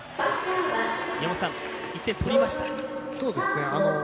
宮本さん、１点取りました。